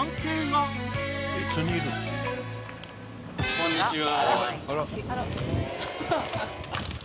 こんにちは。